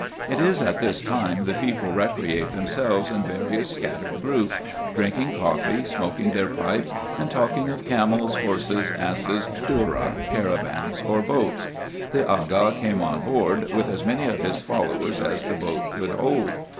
It is at this time the people recreate themselves in various scattered groups, drinking coffee, smoking their pipes, and talking of camels, horses, asses, dhourra, caravans, or boats. The Aga came on board, with as many of his followers as the boat could hold.